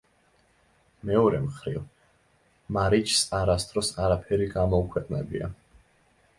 მეორე მხრივ, მარიჩს არასდროს არაფერი გამოუქვეყნებია.